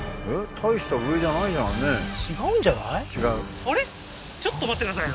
大した上じゃないじゃんね違うんじゃない？